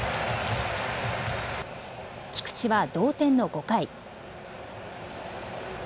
菊池は同点の５回。